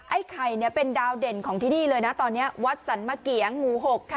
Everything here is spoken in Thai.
ไอ้ไข่เนี่ยเป็นดาวเด่นของที่นี่เลยนะตอนนี้วัดสรรมะเกียงหมู่๖ค่ะ